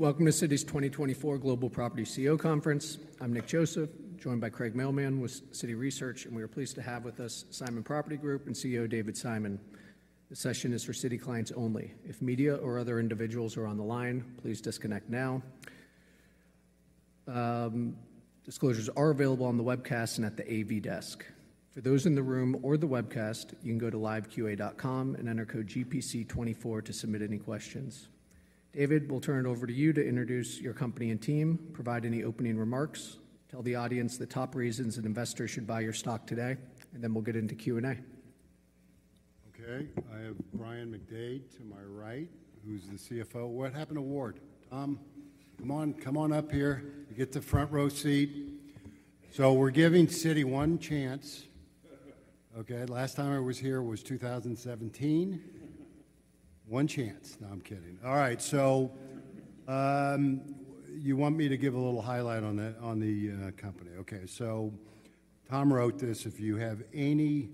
Welcome to Citi's 2024 Global Property CEO Conference. I'm Nick Joseph, joined by Craig Mailman with Citi Research, and we are pleased to have with us Simon Property Group and CEO David Simon. The session is for Citi clients only. If media or other individuals are on the line, please disconnect now. Disclosures are available on the webcast and at the AV desk. For those in the room or the webcast, you can go to liveqa and enter code GPC24 to submit any questions. David, we'll turn it over to you to introduce your company and team, provide any opening remarks, tell the audience the top reasons an investor should buy your stock today, and then we'll get into Q&A. Okay. I have Brian McDade to my right, who's the CFO. What happened to Ward? Tom, come on, come on up here. You get the front row seat. So we're giving Citi one chance. Okay. Last time I was here was 2017. One chance. No, I'm kidding. All right. So you want me to give a little highlight on the company? Okay. So Tom wrote this. If you have any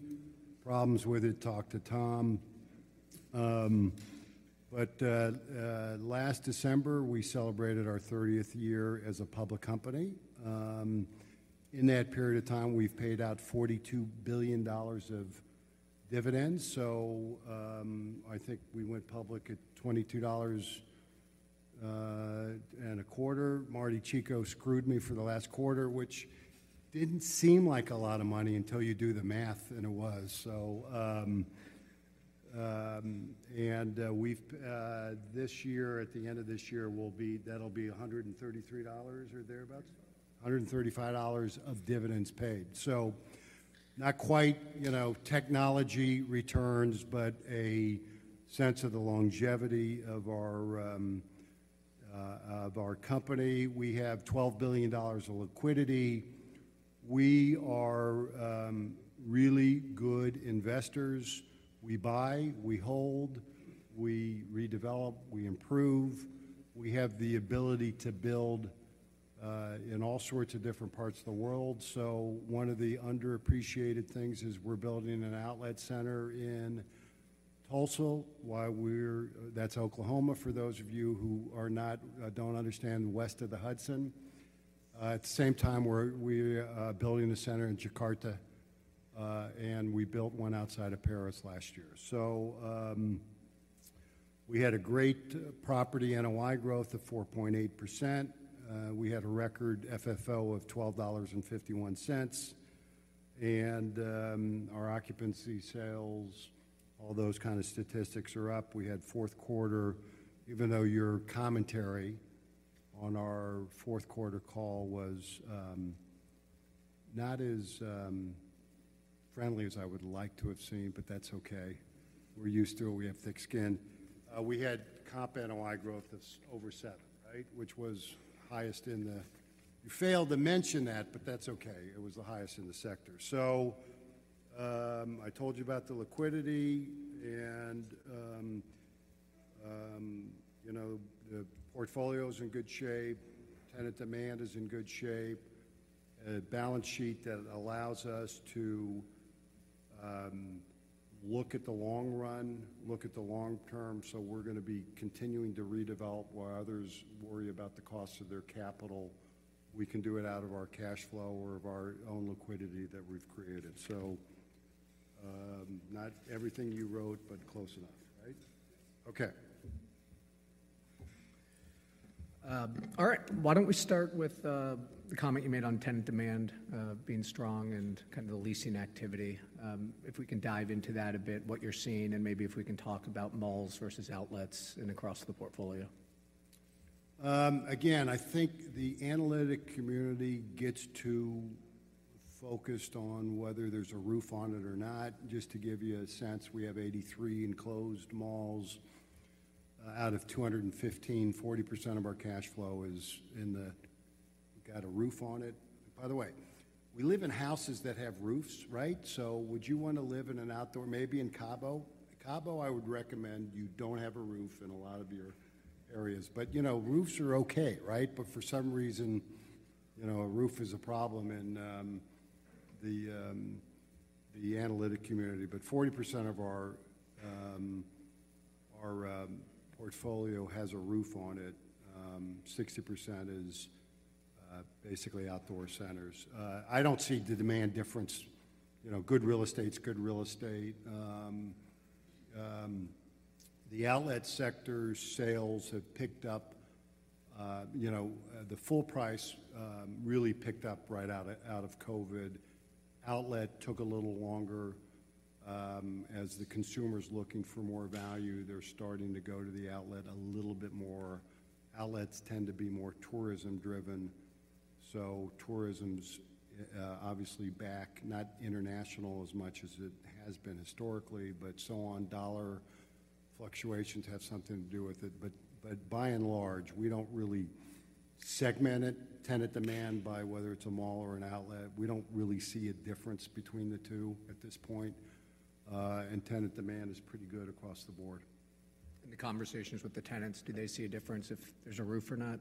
problems with it, talk to Tom. But last December, we celebrated our 30th year as a public company. In that period of time, we've paid out $42 billion of dividends. So I think we went public at $22.25. Marty Cicco screwed me for the last quarter, which didn't seem like a lot of money until you do the math, and it was. And this year, at the end of this year, that'll be $133 or thereabouts, $135 of dividends paid. So not quite technology returns, but a sense of the longevity of our company. We have $12 billion of liquidity. We are really good investors. We buy. We hold. We redevelop. We improve. We have the ability to build in all sorts of different parts of the world. So one of the underappreciated things is we're building an outlet center in Tulsa. That's Oklahoma, for those of you who don't understand the west of the Hudson. At the same time, we're building a center in Jakarta, and we built one outside of Paris last year. So we had a great property NOI growth of 4.8%. We had a record FFO of $12.51. And our occupancy sales, all those kind of statistics are up. We had fourth quarter even though your commentary on our fourth quarter call was not as friendly as I would like to have seen, but that's okay. We're used to it. We have thick skin. We had comp NOI growth of over 7%, right, which was the highest in the sector. You failed to mention that, but that's okay. It was the highest in the sector. So I told you about the liquidity, and the portfolio is in good shape. Tenant demand is in good shape. A balance sheet that allows us to look at the long run, look at the long term. So we're going to be continuing to redevelop. While others worry about the cost of their capital, we can do it out of our cash flow or of our own liquidity that we've created. So not everything you wrote, but close enough, right? Okay. All right. Why don't we start with the comment you made on tenant demand being strong and kind of the leasing activity? If we can dive into that a bit, what you're seeing, and maybe if we can talk about malls versus outlets and across the portfolio. Again, I think the analyst community gets too focused on whether there's a roof on it or not. Just to give you a sense, we have 83 enclosed malls. Out of 215, 40% of our cash flow is in the got a roof on it. By the way, we live in houses that have roofs, right? So would you want to live in an outdoor maybe in Cabo? Cabo, I would recommend you don't have a roof in a lot of your areas. But roofs are okay, right? But for some reason, a roof is a problem in the analyst community. But 40% of our portfolio has a roof on it. 60% is basically outdoor centers. I don't see the demand difference. Good real estate's good real estate. The outlet sector sales have picked up. The full price really picked up right out of COVID. Outlet took a little longer. As consumers are looking for more value, they're starting to go to the outlet a little bit more. Outlets tend to be more tourism-driven. So tourism's obviously back, not international as much as it has been historically, but so on. Dollar fluctuations have something to do with it. But by and large, we don't really segment tenant demand by whether it's a mall or an outlet. We don't really see a difference between the two at this point. And tenant demand is pretty good across the board. In the conversations with the tenants, do they see a difference if there's a roof or not?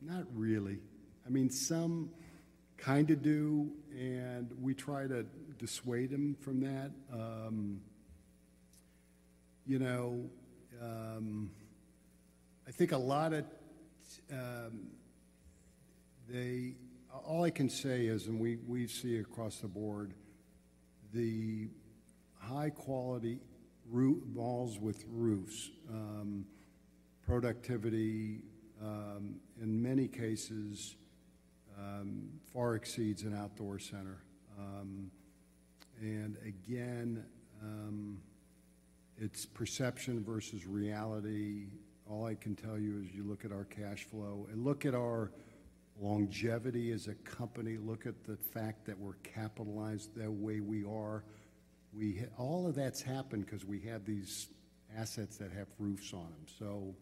Not really. I mean, some kind of do, and we try to dissuade them from that. I think a lot of all I can say is, and we see across the board, the high-quality malls with roofs, productivity, in many cases, far exceeds an outdoor center. And again, it's perception versus reality. All I can tell you is you look at our cash flow and look at our longevity as a company. Look at the fact that we're capitalized the way we are. All of that's happened because we have these assets that have roofs on them. So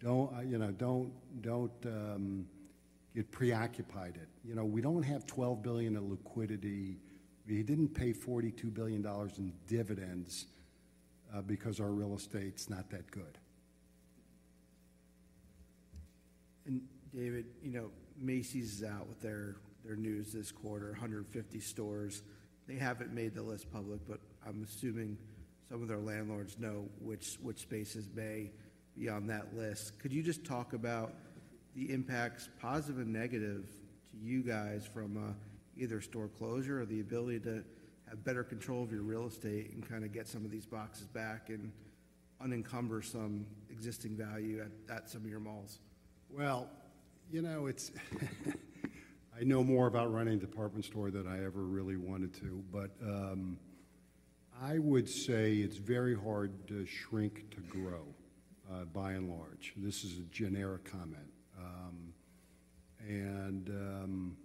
don't get preoccupied. We don't have $12 billion of liquidity. We didn't pay $42 billion in dividends because our real estate's not that good. David, Macy's is out with their news this quarter, 150 stores. They haven't made the list public, but I'm assuming some of their landlords know which spaces may be on that list. Could you just talk about the impacts, positive and negative, to you guys from either store closure or the ability to have better control of your real estate and kind of get some of these boxes back and unencumber some existing value at some of your malls? Well, I know more about running a department store than I ever really wanted to. But I would say it's very hard to shrink to grow, by and large. This is a generic comment. And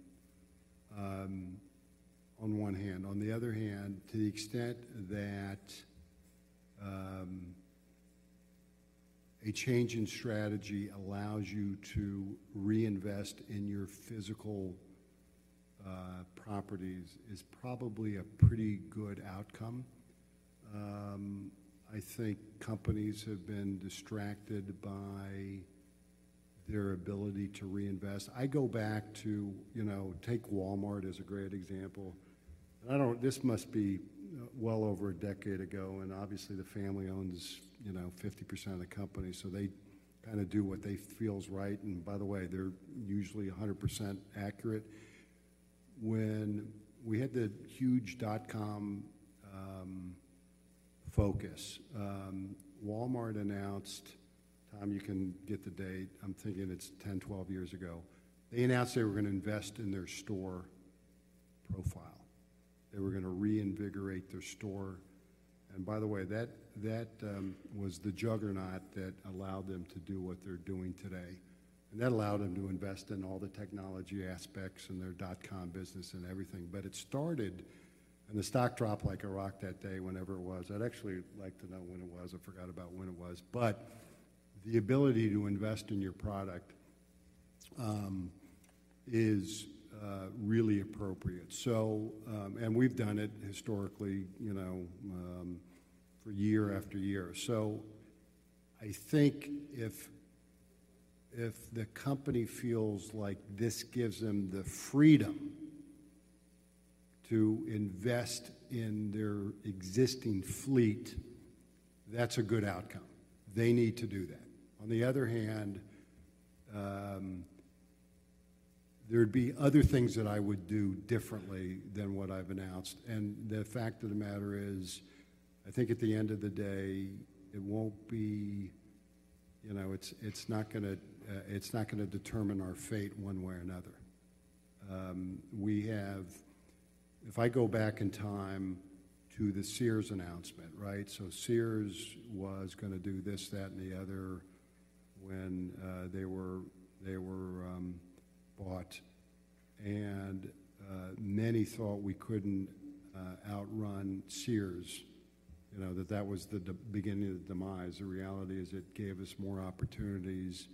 on one hand. On the other hand, to the extent that a change in strategy allows you to reinvest in your physical properties, is probably a pretty good outcome. I think companies have been distracted by their ability to reinvest. I go back to take Walmart as a great example. This must be well over a decade ago. And obviously, the family owns 50% of the company. So they kind of do what they feel is right. And by the way, they're usually 100% accurate. When we had the huge dot-com focus, Walmart announced Tom, you can get the date. I'm thinking it's 10-12 years ago. They announced they were going to invest in their store profile. They were going to reinvigorate their store. And by the way, that was the juggernaut that allowed them to do what they're doing today. And that allowed them to invest in all the technology aspects and their dot-com business and everything. But it started and the stock dropped like a rock that day whenever it was. I'd actually like to know when it was. I forgot about when it was. But the ability to invest in your product is really appropriate. And we've done it historically for year after year. So I think if the company feels like this gives them the freedom to invest in their existing fleet, that's a good outcome. They need to do that. On the other hand, there'd be other things that I would do differently than what I've announced. The fact of the matter is, I think at the end of the day, it won't be. It's not going to determine our fate one way or another. If I go back in time to the Sears announcement, right? So Sears was going to do this, that, and the other when they were bought. And many thought we couldn't outrun Sears, that that was the beginning of the demise. The reality is it gave us more opportunities.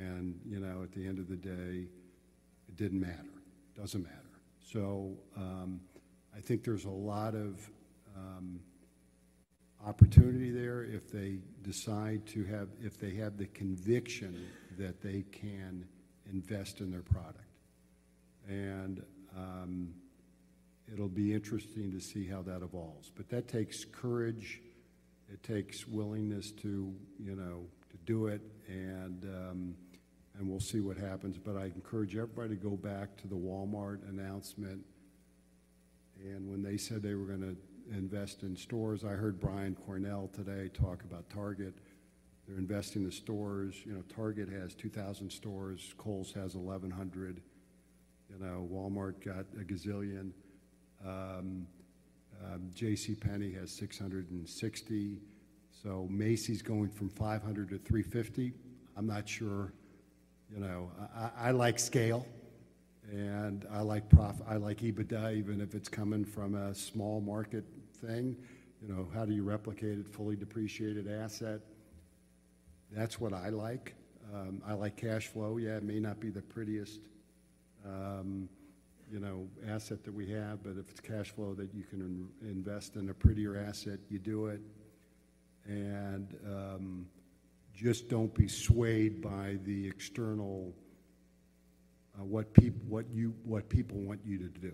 At the end of the day, it didn't matter. It doesn't matter. So I think there's a lot of opportunity there if they decide to have if they have the conviction that they can invest in their product. It'll be interesting to see how that evolves. But that takes courage. It takes willingness to do it. We'll see what happens. But I encourage everybody to go back to the Walmart announcement. And when they said they were going to invest in stores, I heard Brian Cornell today talk about Target. They're investing in the stores. Target has 2,000 stores. Kohl's has 1,100. Walmart got a gazillion. JCPenney has 660. So Macy's going from 500-350. I'm not sure. I like scale. And I like EBITDA, even if it's coming from a small market thing. How do you replicate a fully depreciated asset? That's what I like. I like cash flow. Yeah, it may not be the prettiest asset that we have. But if it's cash flow that you can invest in a prettier asset, you do it. And just don't be swayed by what people want you to do,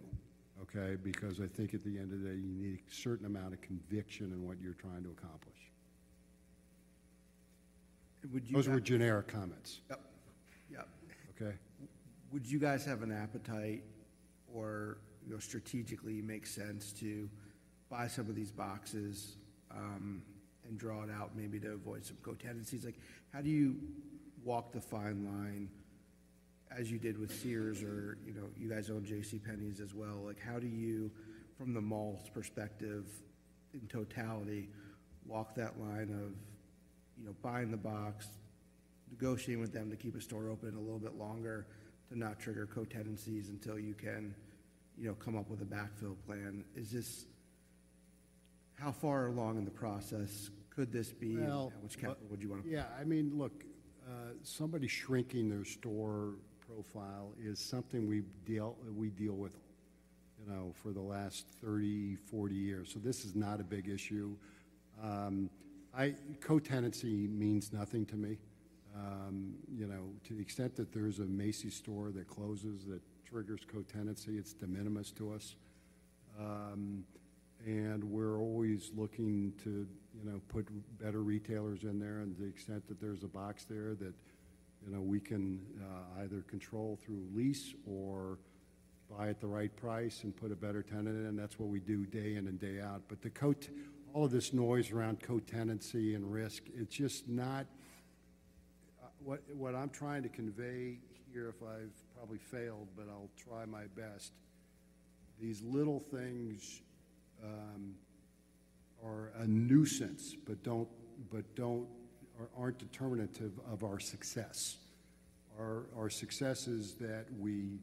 okay? Because I think at the end of the day, you need a certain amount of conviction in what you're trying to accomplish. Those were generic comments. Yep. Yep. Would you guys have an appetite or strategically make sense to buy some of these boxes and draw it out maybe to avoid some co-tenancy? How do you walk the fine line as you did with Sears? Or you guys own JCPenney's as well. How do you, from the mall's perspective in totality, walk that line of buying the box, negotiating with them to keep a store open a little bit longer to not trigger co-tenancy until you can come up with a backfill plan? How far along in the process could this be? How much capital would you want to put? Yeah. I mean, look, somebody shrinking their store profile is something we deal with for the last 30, 40 years. So this is not a big issue. Co-tenancy means nothing to me. To the extent that there's a Macy's store that closes that triggers co-tenancy, it's de minimis to us. And we're always looking to put better retailers in there. And to the extent that there's a box there that we can either control through lease or buy at the right price and put a better tenant in, that's what we do day in and day out. But all of this noise around co-tenancy and risk, it's just not what I'm trying to convey here, if I've probably failed, but I'll try my best. These little things are a nuisance but aren't determinative of our success. Our success is that we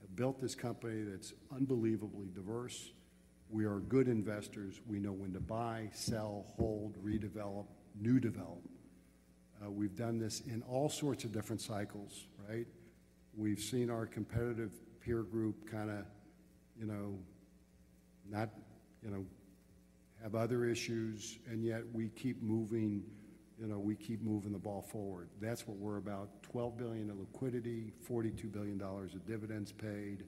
have built this company that's unbelievably diverse. We are good investors. We know when to buy, sell, hold, redevelop, new develop. We've done this in all sorts of different cycles, right? We've seen our competitive peer group kind of have other issues. And yet, we keep moving. We keep moving the ball forward. That's what we're about. $12 billion of liquidity, $42 billion of dividends paid.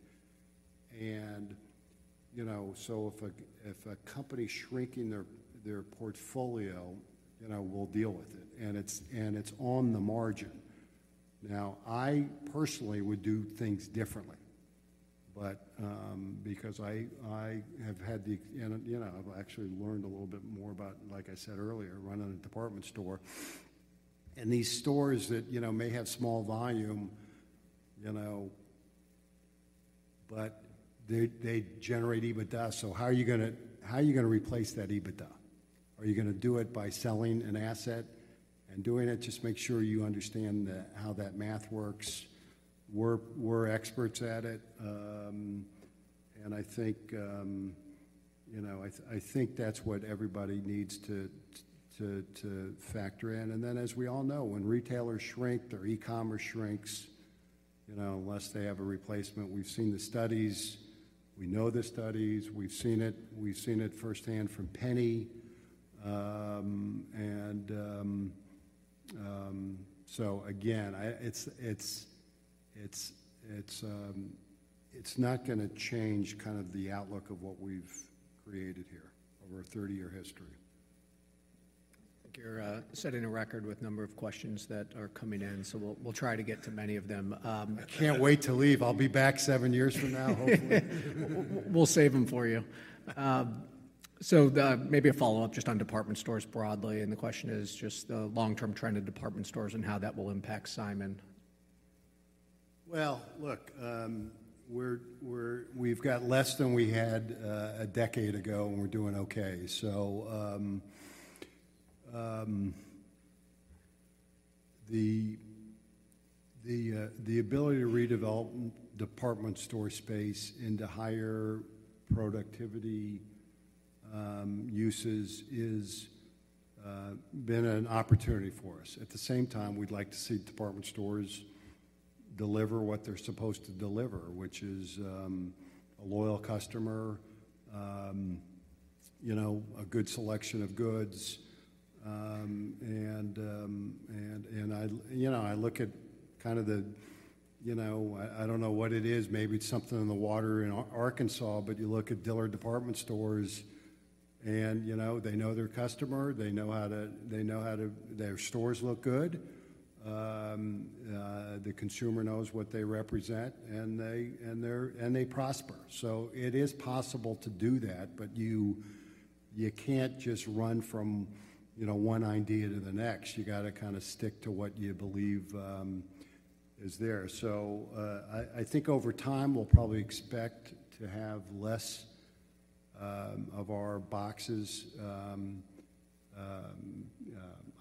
And so if a company's shrinking their portfolio, we'll deal with it. And it's on the margin. Now, I personally would do things differently because I've actually learned a little bit more about, like I said earlier, running a department store. And these stores that may have small volume, but they generate EBITDA. So how are you going to replace that EBITDA? Are you going to do it by selling an asset? And doing it, just make sure you understand how that math works. We're experts at it. I think that's what everybody needs to factor in. Then, as we all know, when retailers shrink, their e-commerce shrinks unless they have a replacement. We've seen the studies. We know the studies. We've seen it firsthand from Penny. So again, it's not going to change kind of the outlook of what we've created here over a 30-year history. You're setting a record with a number of questions that are coming in. So we'll try to get to many of them. I can't wait to leave. I'll be back seven years from now, hopefully. We'll save them for you. Maybe a follow-up just on department stores broadly. The question is just the long-term trend of department stores and how that will impact Simon. Well, look, we've got less than we had a decade ago. And we're doing okay. So the ability to redevelop department store space into higher productivity uses has been an opportunity for us. At the same time, we'd like to see department stores deliver what they're supposed to deliver, which is a loyal customer, a good selection of goods. And I look at kind of, I don't know what it is. Maybe it's something in the water in Arkansas. But you look at Dillard's department stores, and they know their customer. They know how their stores look good. The consumer knows what they represent. And they prosper. So it is possible to do that. But you can't just run from one idea to the next. You got to kind of stick to what you believe is there. I think over time, we'll probably expect to have less of our boxes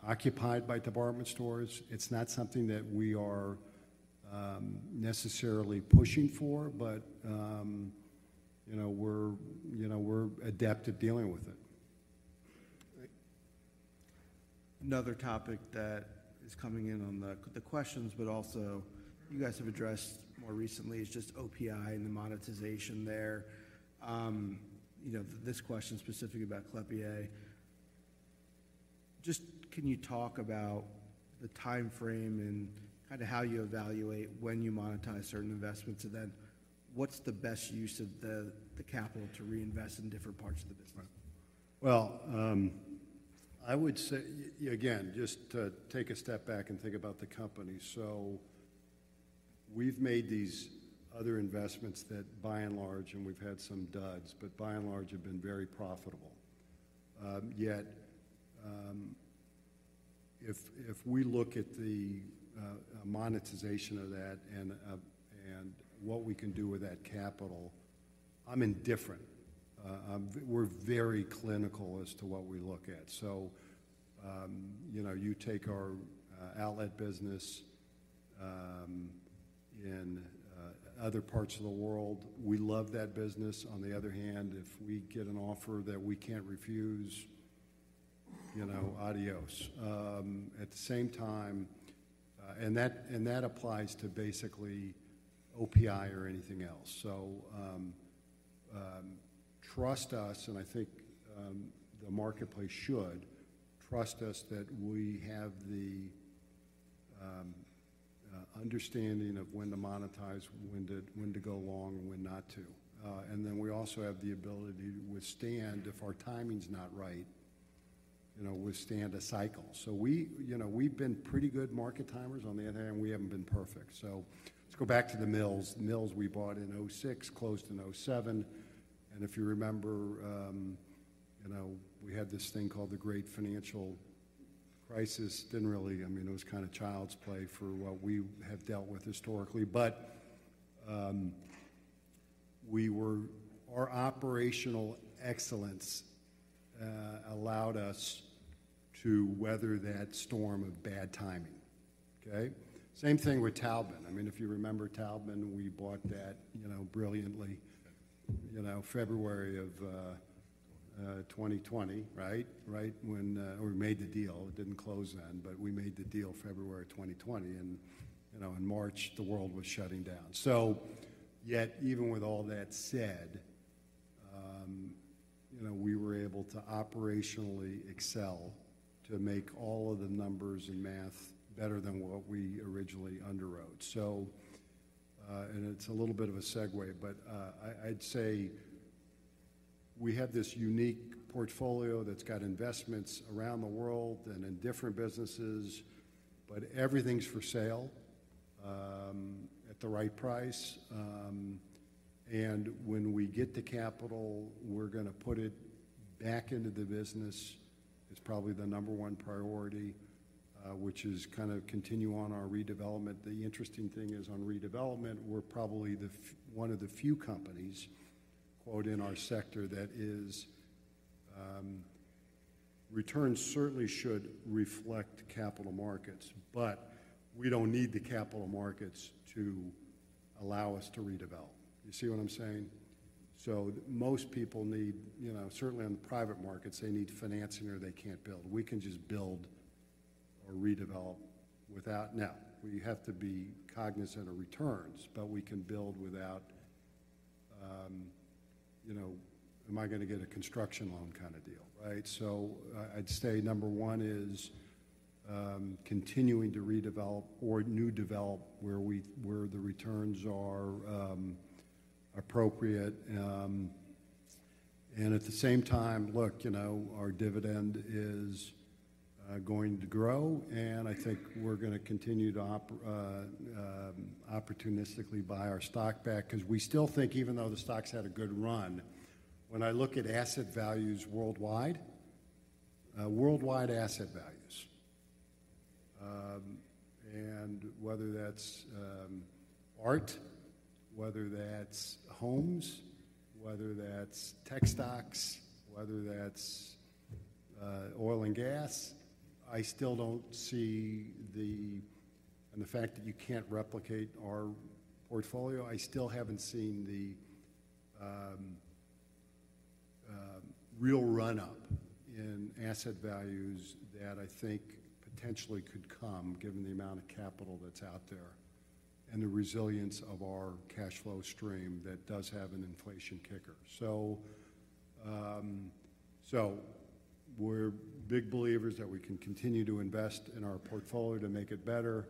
occupied by department stores. It's not something that we are necessarily pushing for. We're adept at dealing with it. Another topic that is coming in on the questions, but also you guys have addressed more recently, is just OPI and the monetization there. This question specifically about Klépierre. Just can you talk about the time frame and kind of how you evaluate when you monetize certain investments? And then what's the best use of the capital to reinvest in different parts of the business? Well, I would say, again, just take a step back and think about the company. So we've made these other investments that, by and large and we've had some duds, but by and large, have been very profitable. Yet, if we look at the monetization of that and what we can do with that capital, I'm indifferent. We're very clinical as to what we look at. So you take our outlet business in other parts of the world. We love that business. On the other hand, if we get an offer that we can't refuse, adios. At the same time and that applies to basically OPI or anything else. So trust us. And I think the marketplace should trust us that we have the understanding of when to monetize, when to go long, when not to. And then we also have the ability to withstand, if our timing's not right, withstand a cycle. So we've been pretty good market timers. On the other hand, we haven't been perfect. So let's go back to the Mills. Mills, we bought in 2006, closed in 2007. And if you remember, we had this thing called the Great Financial Crisis. I mean, it was kind of child's play for what we have dealt with historically. But our operational excellence allowed us to weather that storm of bad timing, okay? Same thing with Taubman. I mean, if you remember Taubman, we bought that brilliantly February of 2020, right? Right when we made the deal. It didn't close then. But we made the deal February of 2020. And in March, the world was shutting down. So, yet, even with all that said, we were able to operationally excel to make all of the numbers and math better than what we originally underwrote. It's a little bit of a segue. But I'd say we have this unique portfolio that's got investments around the world and in different businesses. Everything's for sale at the right price. When we get the capital, we're going to put it back into the business. It's probably the number one priority, which is kind of continue on our redevelopment. The interesting thing is, on redevelopment, we're probably one of the few companies "in our sector" that is returns certainly should reflect capital markets. But we don't need the capital markets to allow us to redevelop. You see what I'm saying? Most people need certainly, on the private markets, they need financing or they can't build. We can just build or redevelop without now. We have to be cognizant of returns. But we can build without am I going to get a construction loan kind of deal, right? So I'd say number one is continuing to redevelop or new develop where the returns are appropriate. And at the same time, look, our dividend is going to grow. I think we're going to continue to opportunistically buy our stock back because we still think, even though the stock's had a good run, when I look at asset values worldwide, worldwide asset values and whether that's art, whether that's homes, whether that's tech stocks, whether that's oil and gas, I still don't see the and the fact that you can't replicate our portfolio. I still haven't seen the real run-up in asset values that I think potentially could come given the amount of capital that's out there and the resilience of our cash flow stream that does have an inflation kicker. So we're big believers that we can continue to invest in our portfolio to make it better.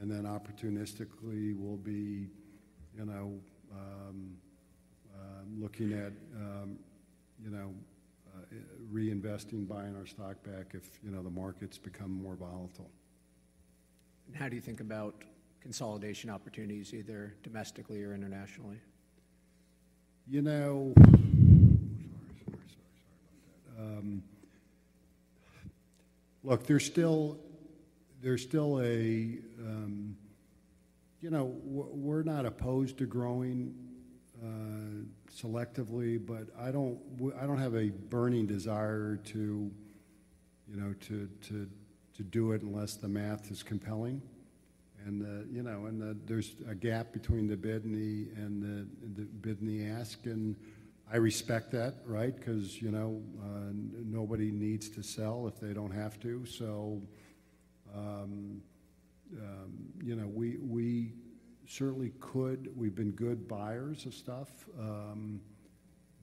And then opportunistically, we'll be looking at reinvesting, buying our stock back if the markets become more volatile. How do you think about consolidation opportunities, either domestically or internationally? Sorry about that. Look, there's still a we're not opposed to growing selectively. But I don't have a burning desire to do it unless the math is compelling. And there's a gap between the bid and the ask. And I respect that, right, because nobody needs to sell if they don't have to. So we certainly could. We've been good buyers of stuff.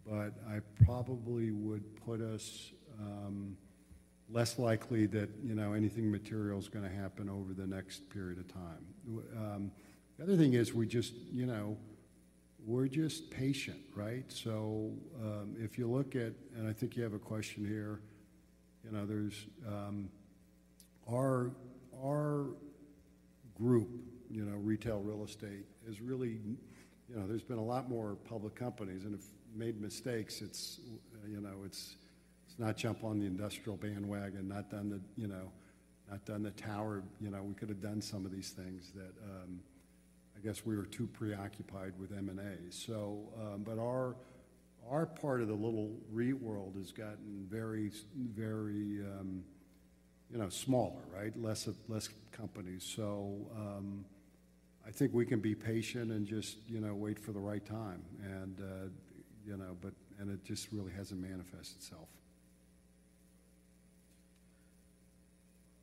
But I probably would put us less likely that anything material is going to happen over the next period of time. The other thing is, we're just patient, right? So if you look at and I think you have a question here. Our group, retail real estate, has really there's been a lot more public companies. And if made mistakes, it's not jump on the industrial bandwagon, not done the tower. We could have done some of these things that I guess we were too preoccupied with M&A. But our part of the little real world has gotten very, very smaller, right, less companies. So I think we can be patient and just wait for the right time. And it just really hasn't manifested itself.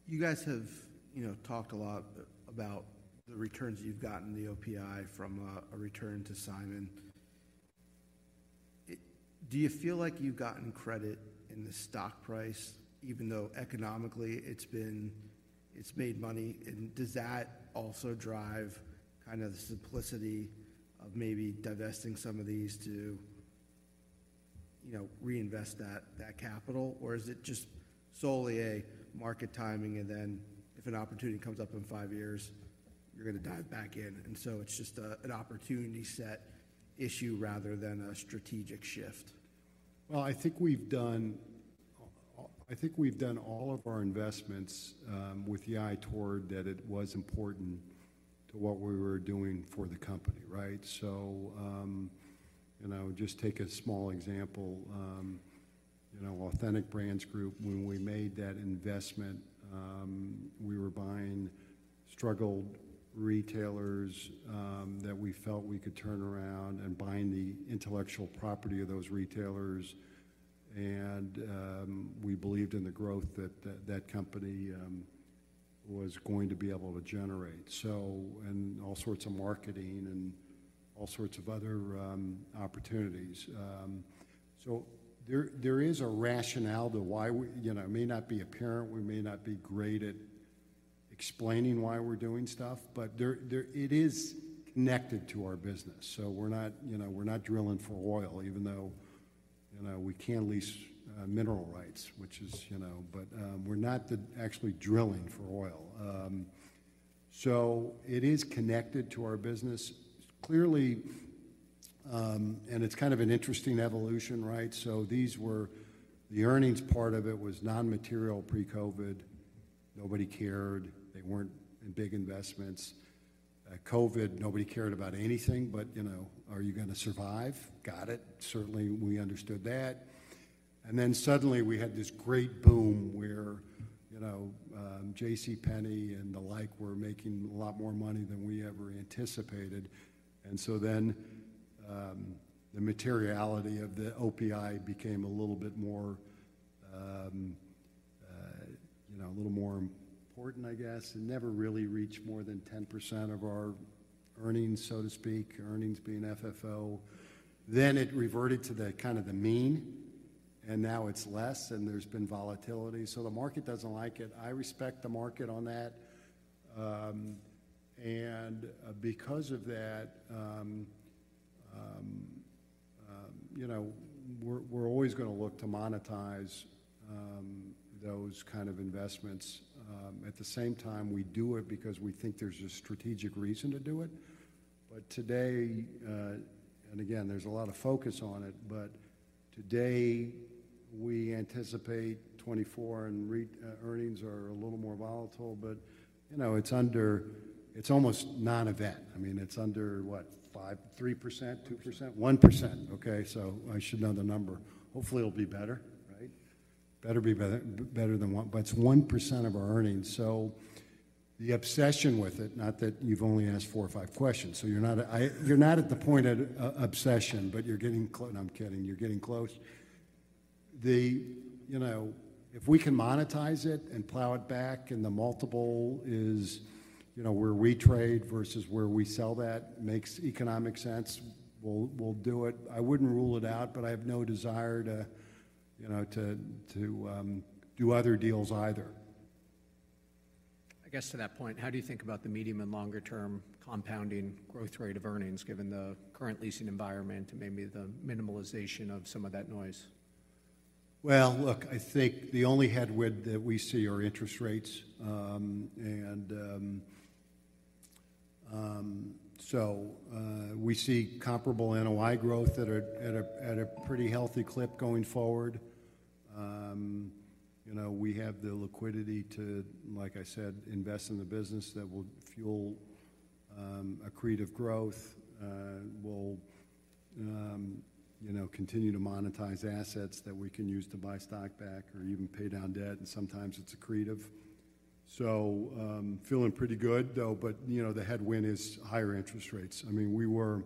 You guys have talked a lot about the returns you've gotten in the OPI from a return to Simon. Do you feel like you've gotten credit in the stock price, even though economically, it's made money? And does that also drive kind of the simplicity of maybe divesting some of these to reinvest that capital? Or is it just solely a market timing? And then if an opportunity comes up in five years, you're going to dive back in? And so it's just an opportunity set issue rather than a strategic shift? Well, I think we've done all of our investments with the eye toward that it was important to what we were doing for the company, right? So just take a small example. Authentic Brands Group, when we made that investment, we were buying struggled retailers that we felt we could turn around and buying the intellectual property of those retailers. And we believed in the growth that that company was going to be able to generate and all sorts of marketing and all sorts of other opportunities. So there is a rationale to why it may not be apparent. We may not be great at explaining why we're doing stuff. But it is connected to our business. So we're not drilling for oil, even though we can lease mineral rights, which is, but we're not actually drilling for oil. So it is connected to our business. It's kind of an interesting evolution, right? So the earnings part of it was non-material pre-COVID. Nobody cared. They weren't in big investments. COVID, nobody cared about anything. But are you going to survive? Got it. Certainly, we understood that. And then suddenly, we had this great boom where JCPenney and the like were making a lot more money than we ever anticipated. And so then the materiality of the OPI became a little bit more a little more important, I guess, and never really reached more than 10% of our earnings, so to speak, earnings being FFO. Then it reverted to kind of the mean. And now it's less. And there's been volatility. So the market doesn't like it. I respect the market on that. And because of that, we're always going to look to monetize those kind of investments. At the same time, we do it because we think there's a strategic reason to do it. And again, there's a lot of focus on it. But today, we anticipate 2024. And earnings are a little more volatile. But it's almost non-event. I mean, it's under, what, 3%, 2%? 1%. 1%, okay? So I should know the number. Hopefully, it'll be better, right? Better than 1. But it's 1% of our earnings. So the obsession with it, not that you've only asked four or five questions. So you're not at the point of obsession. But you're getting and I'm kidding. You're getting close. If we can monetize it and plow it back and the multiple is where we trade versus where we sell that makes economic sense, we'll do it. I wouldn't rule it out. But I have no desire to do other deals either. I guess to that point, how do you think about the medium and longer-term compounding growth rate of earnings given the current leasing environment and maybe the minimalization of some of that noise? Well, look, I think the only headwind that we see are interest rates. And so we see comparable NOI growth at a pretty healthy clip going forward. We have the liquidity to, like I said, invest in the business that will fuel accretive growth, will continue to monetize assets that we can use to buy stock back or even pay down debt. And sometimes, it's accretive. So feeling pretty good, though. But the headwind is higher interest rates. I mean, we were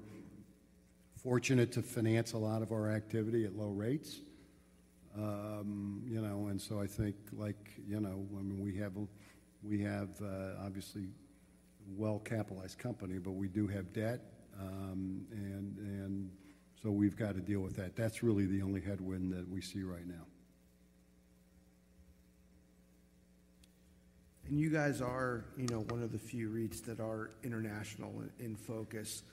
fortunate to finance a lot of our activity at low rates. And so I think, I mean, we have obviously a well-capitalized company. But we do have debt. And so we've got to deal with that. That's really the only headwind that we see right now. You guys are one of the few REITs that are international in focus.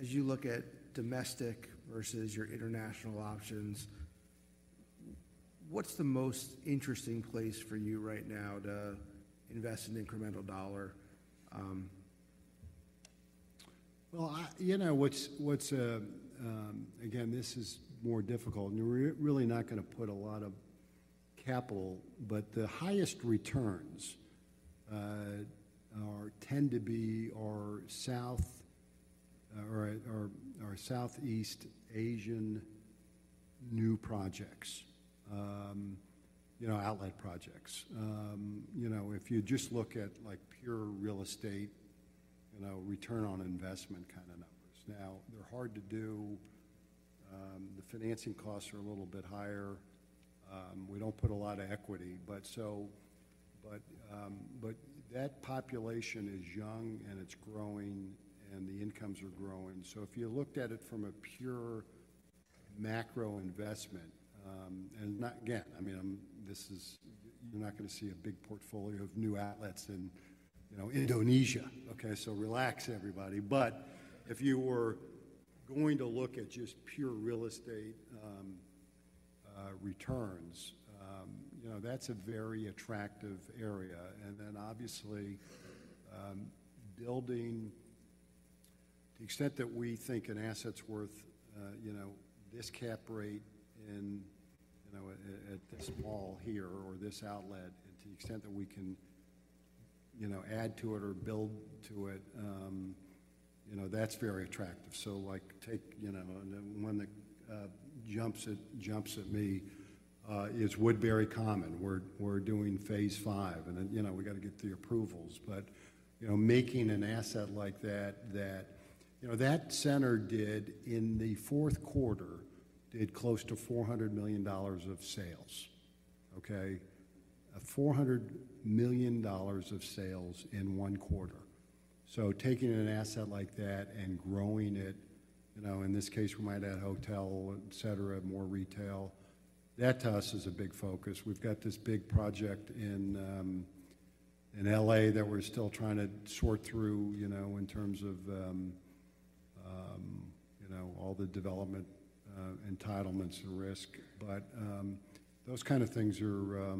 As you look at domestic versus your international options, what's the most interesting place for you right now to invest in incremental dollar? Well, again, this is more difficult. We're really not going to put a lot of capital. But the highest returns tend to be our Southeast Asian new projects, outlet projects. If you just look at pure real estate return on investment kind of numbers, now, they're hard to do. The financing costs are a little bit higher. We don't put a lot of equity. But that population is young. And it's growing. And the incomes are growing. So if you looked at it from a pure macro investment and again, I mean, you're not going to see a big portfolio of new outlets in Indonesia, okay? So relax, everybody. But if you were going to look at just pure real estate returns, that's a very attractive area. And then obviously, building to the extent that we think an asset's worth this cap rate at this mall here or this outlet and to the extent that we can add to it or build to it, that's very attractive. So take one that jumps at me is Woodbury Common. We're doing phase five. And then we got to get the approvals. But making an asset like that that center did in the fourth quarter did close to $400 million of sales, okay, $400 million of sales in one quarter. So taking an asset like that and growing it in this case, we might add hotel, et cetera, more retail, that to us is a big focus. We've got this big project in L.A. that we're still trying to sort through in terms of all the development entitlements and risk. But those kind of things are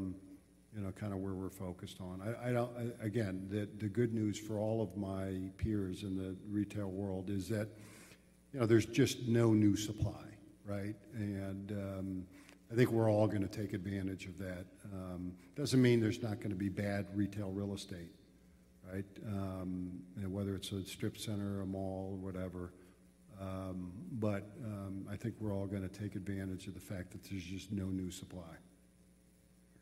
kind of where we're focused on. Again, the good news for all of my peers in the retail world is that there's just no new supply, right? And I think we're all going to take advantage of that. It doesn't mean there's not going to be bad retail real estate, right, whether it's a strip center, a mall, whatever. But I think we're all going to take advantage of the fact that there's just no new supply.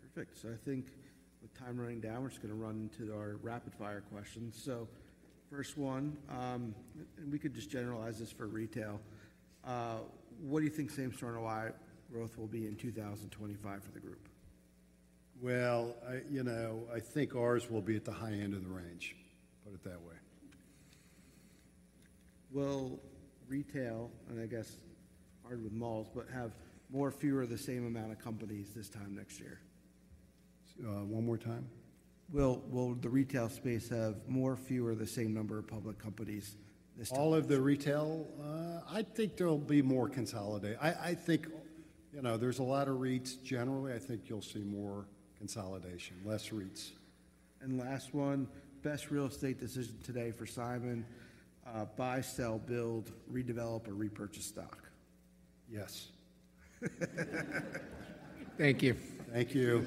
Perfect. So I think with time running down, we're just going to run into our rapid-fire questions. So first one, and we could just generalize this for retail, what do you think same-store-NOI growth will be in 2025 for the group? Well, I think ours will be at the high end of the range, put it that way. Will retail and, I guess, hard with malls, but have more or fewer of the same amount of companies this time next year? One more time? Will the retail space have more or fewer of the same number of public companies this time? All of the retail? I think there'll be more consolidation. I think there's a lot of REITs generally. I think you'll see more consolidation, less REITs. Last one, best real estate decision today for Simon, buy, sell, build, redevelop, or repurchase stock? Yes. Thank you. Thank you.